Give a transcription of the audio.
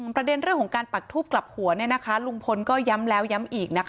ประเด็นเรื่องของการปักทูบกลับหัวลุงพลก็ย้ำแล้วย้ำอีก